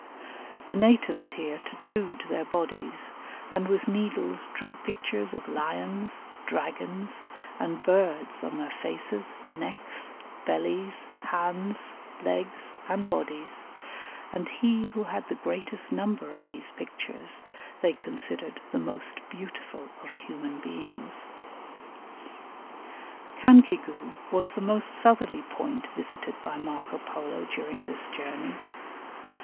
The natives here tattooed their bodies, and with needles drew pictures of lions, dragons, and birds on their faces, necks, bellies, hands, legs, and bodies, and he who had the greatest number of these pictures they considered the most beautiful of human beings. Cancigu was the most southerly point visited by Marco Polo, during this journey.